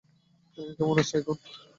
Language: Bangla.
কেমন আছেন এখন?